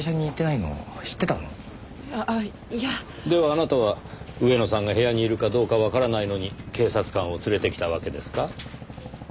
あなたは上野さんが部屋にいるかどうかわからないのに警察官を連れてきたわけですか？